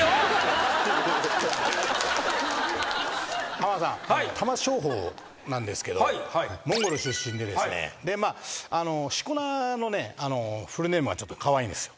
浜田さん玉正鳳なんですけどモンゴル出身でですねしこ名のフルネームがちょっとカワイイんですよ。